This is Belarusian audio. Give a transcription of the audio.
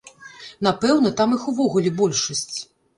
Напэўна, там іх увогуле большасць.